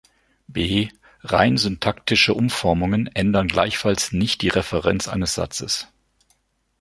B: Rein syntaktische Umformungen ändern gleichfalls nicht die Referenz eines Satzes.